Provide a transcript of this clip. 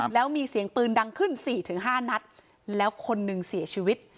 แล้วมีเสียงปืนดังขึ้น๔๕นัดแล้วคนหนึ่งเสียชีวิต